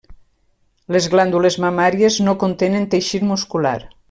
Les glàndules mamàries no contenen teixit muscular.